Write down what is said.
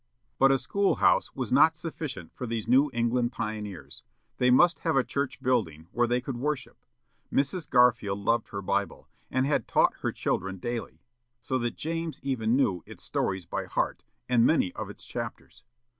But a school house was not sufficient for these New England pioneers; they must have a church building where they could worship. Mrs. Garfield loved her Bible, and had taught her children daily, so that James even knew its stories by heart, and many of its chapters.